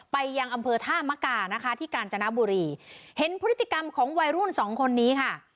ยังอำเภอท่ามกานะคะที่กาญจนบุรีเห็นพฤติกรรมของวัยรุ่นสองคนนี้ค่ะ